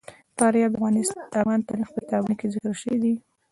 فاریاب د افغان تاریخ په کتابونو کې ذکر شوی دي.